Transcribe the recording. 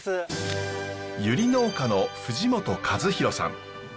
ユリ農家の藤本和宏さん。